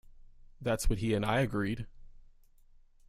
That's what he and I agreed.